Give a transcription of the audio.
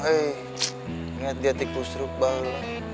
ingat dia tikus rubal